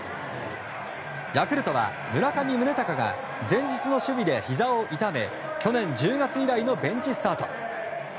ヤクルトは村上宗隆が前日の守備でひざを痛め去年１０月以来のベンチスタート。